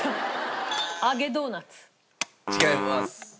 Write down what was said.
違います。